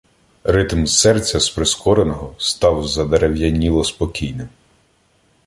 Ритм серця з прискореного став задерев'яніло-спокійним.